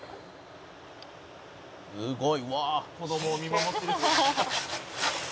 「すごいうわあ」「子どもを見守ってる」